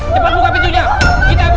cepet buka pintunya kita emok lagi